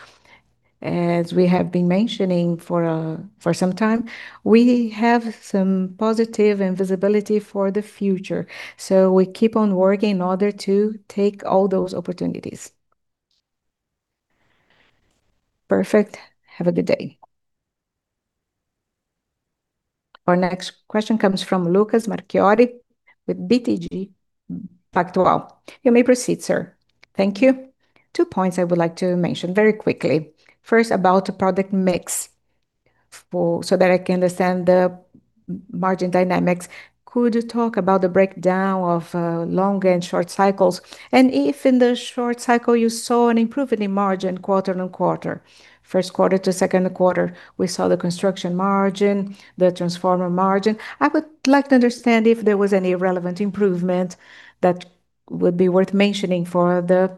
as we have been mentioning for some time. We have some positive and visibility for the future. We keep on working in order to take all those opportunities. Perfect. Have a good day. Our next question comes from Lucas Marquiori with BTG Pactual. You may proceed, sir. Thank you. Two points I would like to mention very quickly. First, about product mix, so that I can understand the margin dynamics. Could you talk about the breakdown of long and short cycles, and if in the short cycle you saw an improvement in margin quarter-over-quarter. First quarter to second quarter, we saw the construction margin, the transformer margin. I would like to understand if there was any relevant improvement that would be worth mentioning for the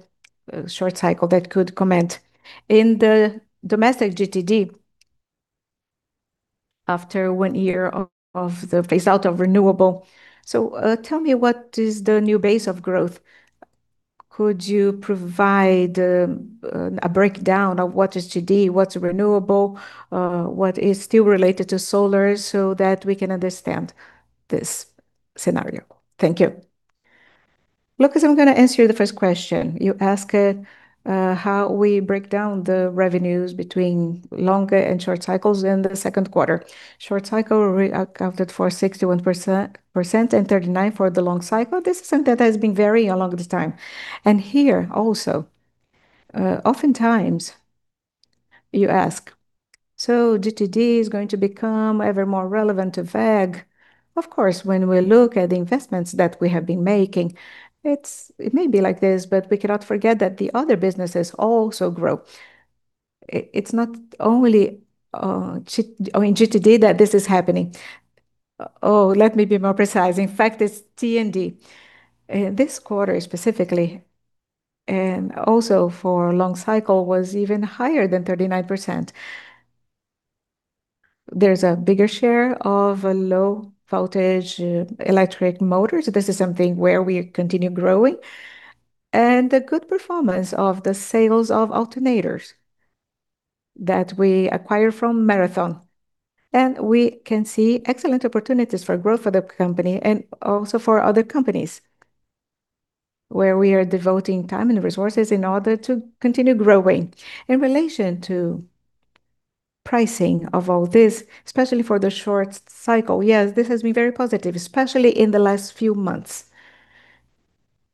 short cycle that could comment. In the domestic GTD, after one year of the phase out of renewable. Tell me, what is the new base of growth? Could you provide a breakdown of what is GTD, what's renewable, what is still related to solar, so that we can understand this scenario? Thank you. Lucas, I'm going to answer the first question. You asked how we break down the revenues between longer and short cycles in the second quarter. Short cycle accounted for 61%, and 39% for the long cycle. This is something that has been varying along the time. Here also, oftentimes you ask, "GTD is going to become ever more relevant to WEG." Of course, when we look at the investments that we have been making, it may be like this, but we cannot forget that the other businesses also grow. It's not only in GTD that this is happening. Let me be more precise. In fact, it's T&D. This quarter specifically, and also for long cycle, was even higher than 39%. There's a bigger share of low voltage electric motors. This is something where we continue growing. The good performance of the sales of alternators that we acquire from Marathon. We can see excellent opportunities for growth for the company and also for other companies, where we are devoting time and resources in order to continue growing. In relation to pricing of all this, especially for the short cycle, yes, this has been very positive, especially in the last few months.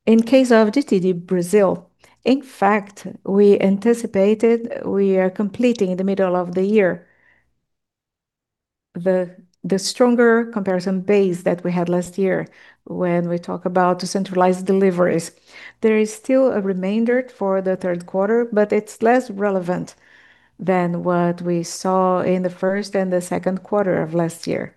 In case of GTD Brazil, in fact, we anticipated we are completing in the middle of the year the stronger comparison base that we had last year when we talk about the centralized deliveries. There is still a remainder for the third quarter, but it's less relevant than what we saw in the first and the second quarter of last year.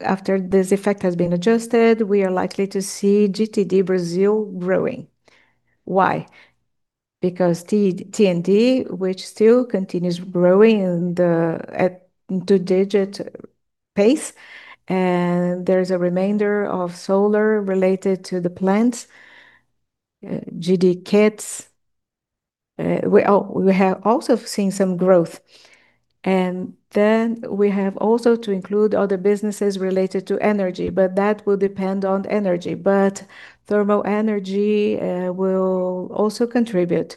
After this effect has been adjusted, we are likely to see GTD Brazil growing. Why? Because T&D, which still continues growing at two-digit pace, there is a remainder of solar related to the plants, GTD kits. We have also seen some growth. Then we have also to include other businesses related to energy, but that will depend on energy. Thermal energy will also contribute.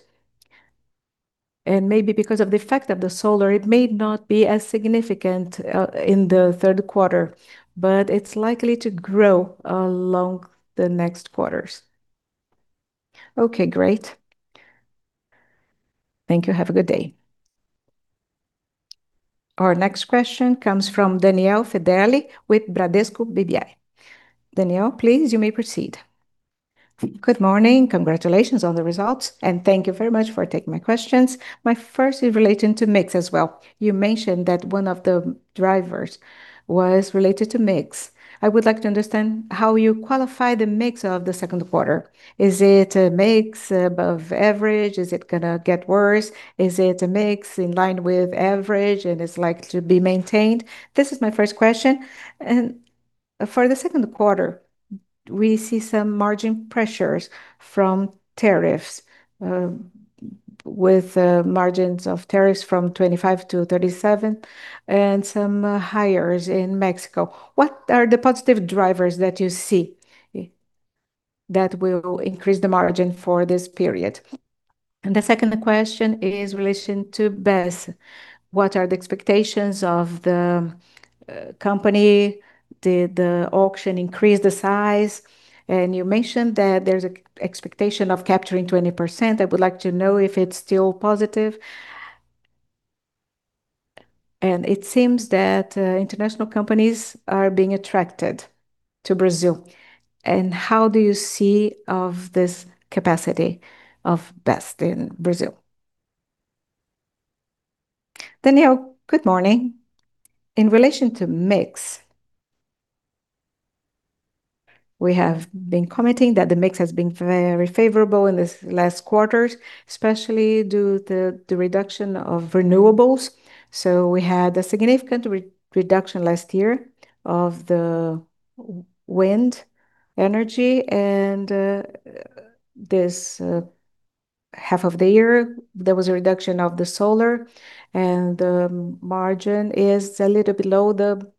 Maybe because of the effect of the solar, it may not be as significant in the third quarter, but it's likely to grow along the next quarters. Okay, great. Thank you. Have a good day. Our next question comes from Daniel Federle with Bradesco BBI. Daniel, please, you may proceed. Good morning. Congratulations on the results, and thank you very much for taking my questions. My first is relating to mix as well. You mentioned that one of the drivers was related to mix. I would like to understand how you qualify the mix of the second quarter. Is it a mix above average? Is it going to get worse? Is it a mix in line with average and is likely to be maintained? This is my first question. For the second quarter, we see some margin pressures from tariffs, with margins of tariffs from 25% to 37%, and some Heresite in Mexico. What are the positive drivers that you see that will increase the margin for this period? The second question is in relation to BESS. What are the expectations of the company? Did the auction increase the size? You mentioned that there's an expectation of capturing 20%. I would like to know if it's still positive. It seems that international companies are being attracted to Brazil. How do you see of this capacity of BESS in Brazil? Daniel, good morning. In relation to mix, we have been commenting that the mix has been very favorable in these last quarters, especially due to the reduction of renewables. We had a significant reduction last year of the wind energy and this half of the year, there was a reduction of the solar, and the margin is a little below the average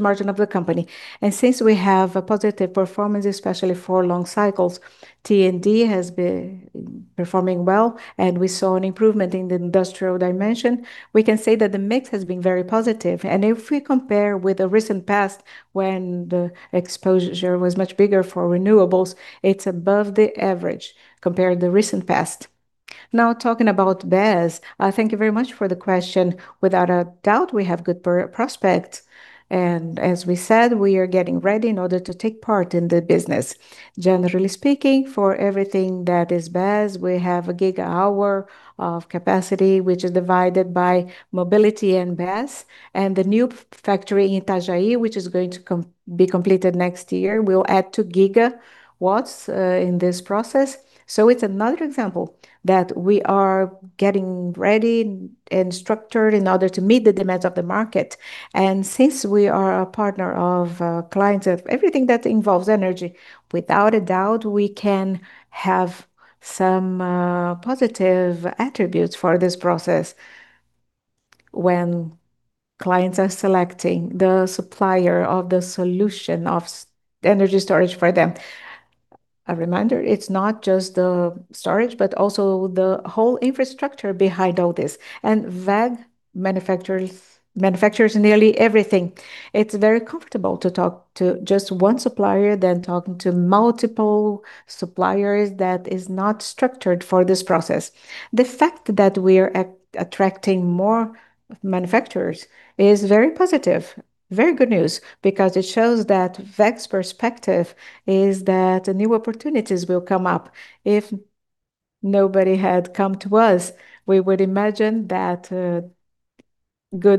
margin of the company. Since we have a positive performance, especially for long cycles, T&D has been performing well, and we saw an improvement in the industrial dimension. We can say that the mix has been very positive. If we compare with the recent past, when the exposure was much bigger for renewables, it's above the average compared the recent past. Now talking about BESS. Thank you very much for the question. Without a doubt, we have good prospects. As we said, we are getting ready in order to take part in the business. Generally speaking, for everything that is BESS, we have a gigawatt of capacity, which is divided by mobility and BESS. The new factory in Itajaí, which is going to be completed next year, will add 2 GW in this process. It's another example that we are getting ready and structured in order to meet the demands of the market. Since we are a partner of clients of everything that involves energy, without a doubt, we can have some positive attributes for this process when clients are selecting the supplier of the solution of energy storage for them. A reminder, it's not just the storage, but also the whole infrastructure behind all this. WEG manufactures nearly everything. It's very comfortable to talk to just one supplier than talking to multiple suppliers that is not structured for this process. The fact that we are attracting more manufacturers is very positive, very good news, because it shows that WEG's perspective is that new opportunities will come up. If nobody had come to us, we would imagine that good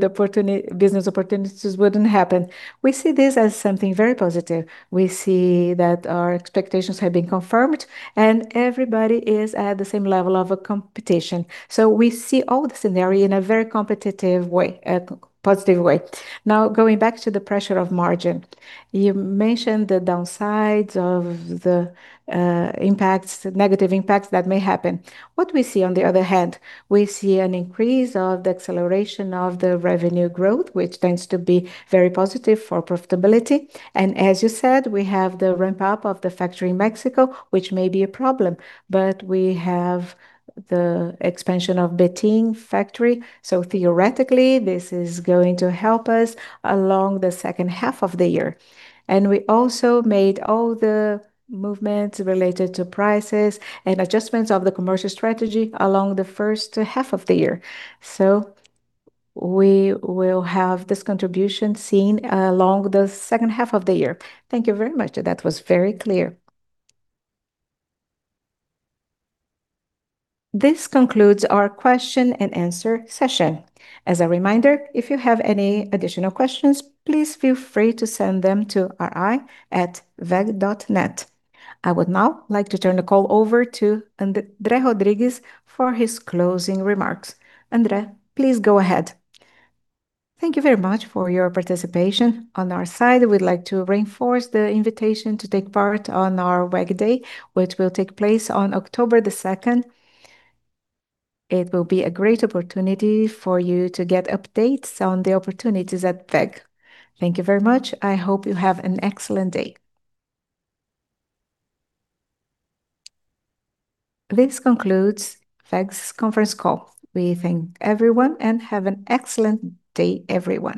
business opportunities wouldn't happen. We see this as something very positive. We see that our expectations have been confirmed, and everybody is at the same level of competition. We see all the scenario in a very competitive way, a positive way. Now, going back to the pressure of margin. You mentioned the downsides of the negative impacts that may happen. What we see on the other hand, we see an increase of the acceleration of the revenue growth, which tends to be very positive for profitability. As you said, we have the ramp-up of the factory in Mexico, which may be a problem, but we have the expansion of Betim factory. Theoretically, this is going to help us along the second half of the year. We also made all the movements related to prices and adjustments of the commercial strategy along the first half of the year. We will have this contribution seen along the second half of the year. Thank you very much. That was very clear. This concludes our question and answer session. As a reminder, if you have any additional questions, please feel free to send them to ri@weg.net. I would now like to turn the call over to André Rodrigues for his closing remarks. André, please go ahead. Thank you very much for your participation. On our side, we'd like to reinforce the invitation to take part on our WEG Day, which will take place on October 2nd. It will be a great opportunity for you to get updates on the opportunities at WEG. Thank you very much. I hope you have an excellent day. This concludes WEG's conference call. We thank everyone and have an excellent day, everyone.